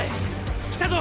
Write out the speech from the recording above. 来たぞ！